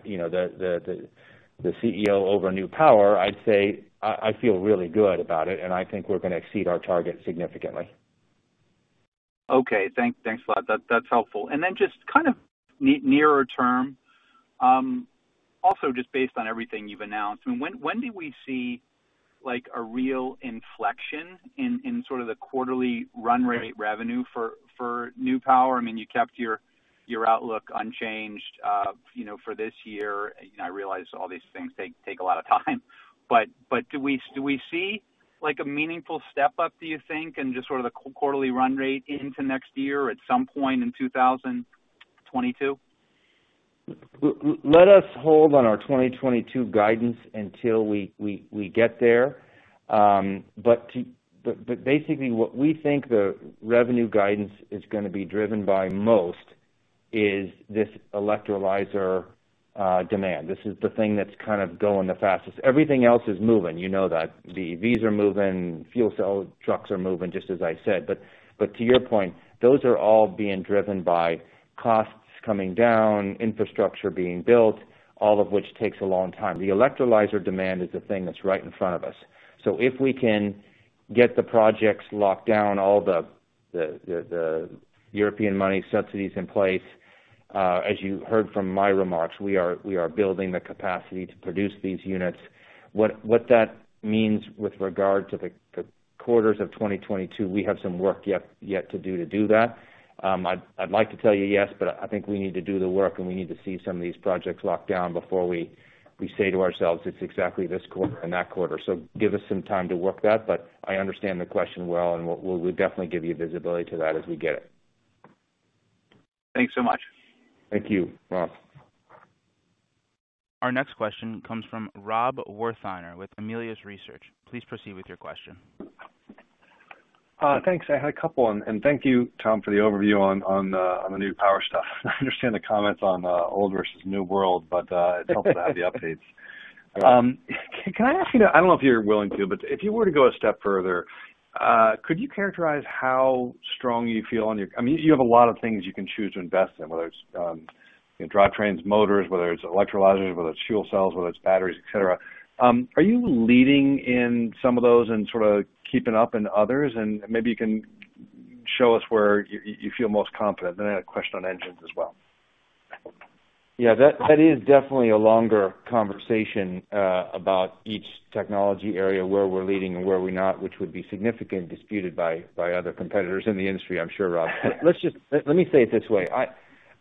CEO over New Power, I'd say I feel really good about it, and I think we're going to exceed our target significantly. Okay. Thanks a lot. That's helpful. Just nearer term, also just based on everything you've announced, when do we see a real inflection in sort of the quarterly run rate revenue for New Power? You kept your outlook unchanged for this year. I realize all these things take a lot of time. Do we see a meaningful step up, do you think, in just sort of the quarterly run rate into next year at some point in 2022? Let us hold on our 2022 guidance until we get there. Basically, what we think the revenue guidance is going to be driven by most is this electrolyzer demand. This is the thing that's kind of going the fastest. Everything else is moving. You know that. The EVs are moving, fuel cell trucks are moving, just as I said. To your point, those are all being driven by costs coming down, infrastructure being built, all of which takes a long time. The electrolyzer demand is the thing that's right in front of us. If we can get the projects locked down, all the European money subsidies in place, as you heard from my remarks, we are building the capacity to produce these units. What that means with regard to the quarters of 2022, we have some work yet to do that. I'd like to tell you yes, but I think we need to do the work, and we need to see some of these projects locked down before we say to ourselves, it's exactly this quarter and that quarter. Give us some time to work that, but I understand the question well, and we'll definitely give you visibility to that as we get it. Thanks so much. Thank you, Ross. Our next question comes from Rob Wertheimer with Melius Research. Please proceed with your question. Thanks. I had a couple. Thank you, Tom, for the overview on the New Power stuff. I understand the comments on Old World versus New World. It helps to have the updates. Right. Can I ask you, I don't know if you're willing to, but if you were to go a step further, could you characterize how strong you feel on your? You have a lot of things you can choose to invest in, whether it's drivetrains, motors, whether it's electrolyzers, whether it's fuel cells, whether it's batteries, et cetera. Are you leading in some of those and sort of keeping up in others? Maybe you can show us where you feel most confident. I had a question on engines as well. Yeah. That is definitely a longer conversation about each technology area where we're leading and where we're not, which would be significantly disputed by other competitors in the industry, I'm sure, Rob. Let me say it this way.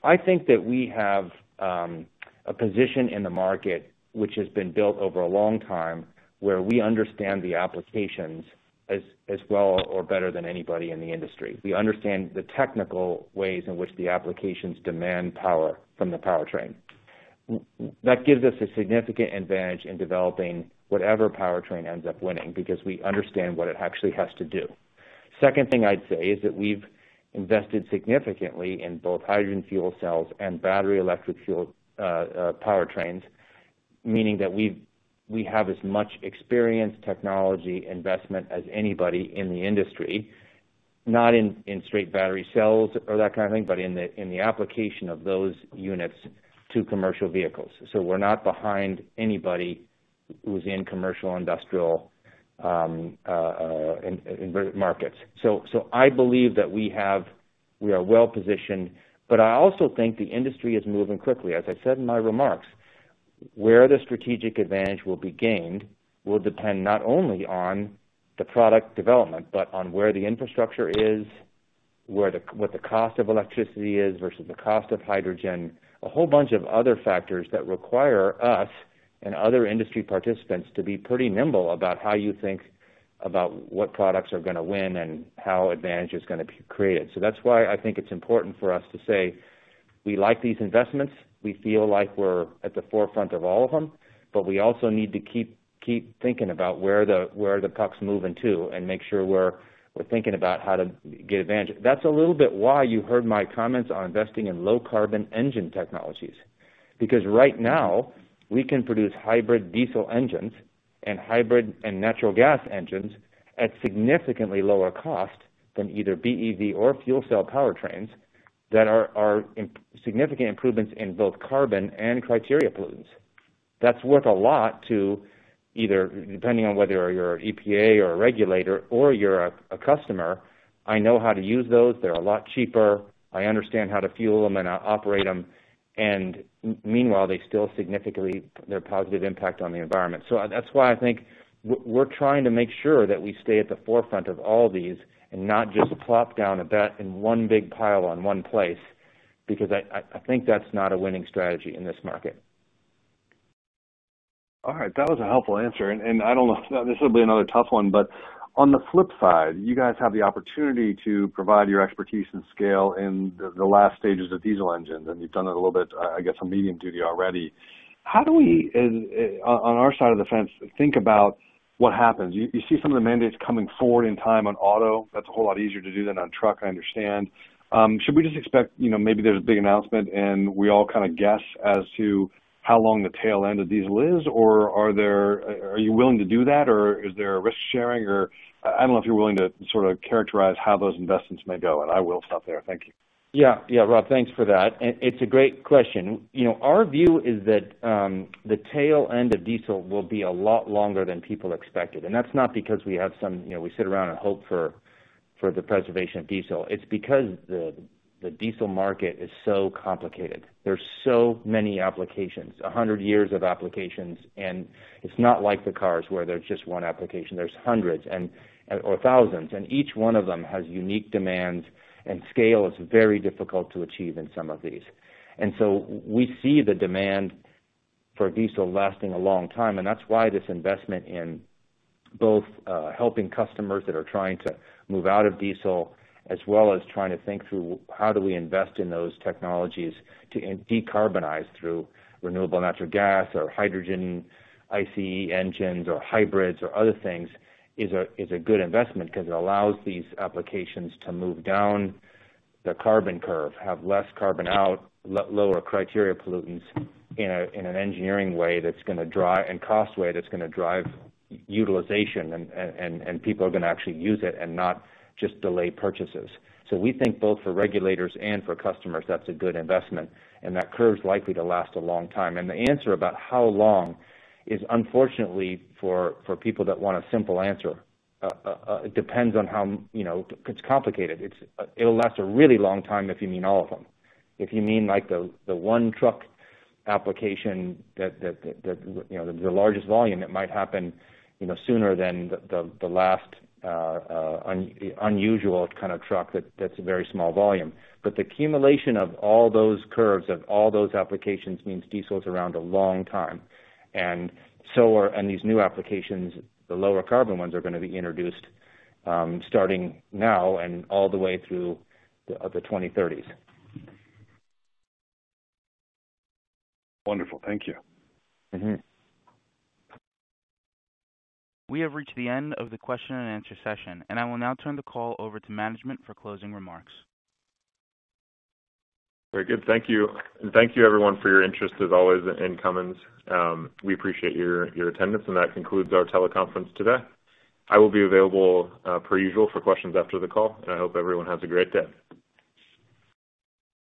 I think that we have a position in the market which has been built over a long time, where we understand the applications as well or better than anybody in the industry. We understand the technical ways in which the applications demand power from the powertrain. That gives us a significant advantage in developing whatever powertrain ends up winning because we understand what it actually has to do. Second thing I'd say is that we've invested significantly in both hydrogen fuel cells and battery electric powertrains, meaning that we have as much experience, technology, investment as anybody in the industry, not in straight battery cells or that kind of thing, but in the application of those units to commercial vehicles. We're not behind anybody who's in commercial industrial inverted markets. I believe that we are well-positioned, but I also think the industry is moving quickly. As I said in my remarks, where the strategic advantage will be gained will depend not only on the product development, but on where the infrastructure is, what the cost of electricity is versus the cost of hydrogen. A whole bunch of other factors that require us and other industry participants to be pretty nimble about how you think about what products are going to win and how advantage is going to be created. That's why I think it's important for us to say we like these investments. We feel like we're at the forefront of all of them, but we also need to keep thinking about where the puck's moving to and make sure we're thinking about how to get advantage. That's a little bit why you heard my comments on investing in low carbon engine technologies, because right now we can produce hybrid diesel engines and hybrid and natural gas engines at significantly lower cost than either BEV or fuel cell powertrains that are significant improvements in both carbon and criteria pollutants. That's worth a lot to either, depending on whether you're EPA or a regulator or you're a customer. I know how to use those. They're a lot cheaper. I understand how to fuel them and operate them, meanwhile, they still significantly, they're a positive impact on the environment. That's why I think we're trying to make sure that we stay at the forefront of all these and not just plop down a bet in one big pile on one place, because I think that's not a winning strategy in this market. All right. That was a helpful answer. I don't know, this will be another tough one, but on the flip side, you guys have the opportunity to provide your expertise and scale in the last stages of diesel engines, and you've done it a little bit, I guess, on medium duty already. How do we, on our side of the fence, think about what happens? You see some of the mandates coming forward in time on auto. That's a whole lot easier to do than on truck, I understand. Should we just expect maybe there's a big announcement and we all kind of guess as to how long the tail end of diesel is? Are you willing to do that? Is there a risk-sharing, or I don't know if you're willing to sort of characterize how those investments may go. I will stop there. Thank you. Yeah. Rob, thanks for that. It's a great question. Our view is that the tail end of diesel will be a lot longer than people expected, and that's not because we sit around and hope for the preservation of diesel. It's because the diesel market is so complicated. There's so many applications, 100 years of applications, and it's not like the cars where there's just one application. There's hundreds or thousands, and each one of them has unique demands, and scale is very difficult to achieve in some of these. We see the demand for diesel lasting a long time, and that's why this investment in both helping customers that are trying to move out of diesel as well as trying to think through how do we invest in those technologies to decarbonize through renewable natural gas or hydrogen ICE engines or hybrids or other things is a good investment because it allows these applications to move down the carbon curve, have less carbon out, lower criteria pollutants in an engineering way and cost way that's going to drive utilization, and people are going to actually use it and not just delay purchases. We think both for regulators and for customers, that's a good investment. That curve's likely to last a long time. The answer about how long is unfortunately for people that want a simple answer. It depends on how it's complicated. It'll last a really long time if you mean all of them. If you mean like the one truck application that the largest volume, it might happen sooner than the last unusual kind of truck that's a very small volume. The accumulation of all those curves, of all those applications means diesel's around a long time. These new applications, the lower carbon ones are going to be introduced starting now and all the way through the 2030s. Wonderful. Thank you. We have reached the end of the question and answer session, and I will now turn the call over to management for closing remarks. Very good. Thank you. Thank you everyone for your interest as always in Cummins. We appreciate your attendance and that concludes our teleconference today. I will be available per usual for questions after the call, and I hope everyone has a great day.